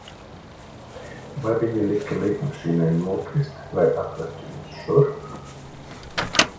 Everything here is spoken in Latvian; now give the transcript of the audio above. Vai viņi lika lidmašīnai nokrist, lai atvestu jūs šurp?